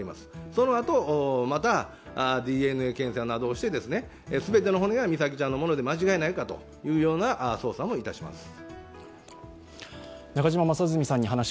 そのあと、ＤＮＡ検査などをして、全ての骨が美咲ちゃんのもので間違いないかという捜査をいたします。